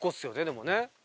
でもね。